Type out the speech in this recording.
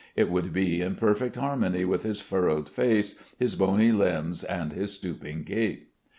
It would be in perfect harmony with his furrowed face, his bony limbs, and his stooping gait.